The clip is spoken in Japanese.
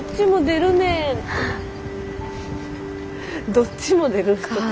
どっちも出るって。